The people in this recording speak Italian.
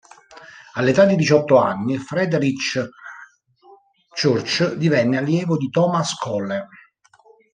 All'età di diciotto anni, Frederic Church divenne allievo di Thomas Cole.